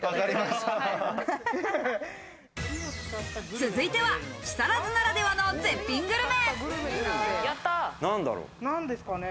続いては、木更津ならではの絶品グルメ。